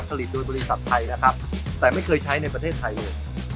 ผลิตโดยบริษัทไทยนะครับแต่ไม่เคยใช้ในประเทศไทยเลย